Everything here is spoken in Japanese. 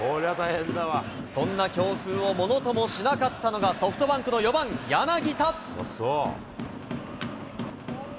そんな強風をものともしなかったのが、ソフトバンクの４番柳田。